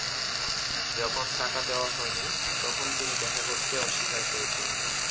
যখন টাকা দেওয়া হয়নি, তখন তিনি দেখা করতে অস্বীকার করেছিলেন।